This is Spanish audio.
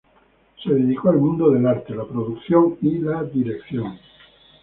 Se dedicó al mundo del arte, la producción y la dirección.